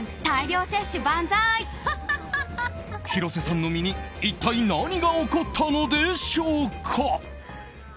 広瀬さんの身に一体、何が起こったのでしょうか。